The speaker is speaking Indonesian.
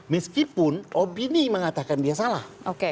meskipun opini mengatakan dia salah